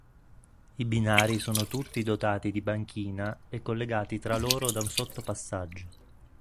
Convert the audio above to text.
I binari sono tutti dotati di banchina e collegati tra loro da un sottopassaggio.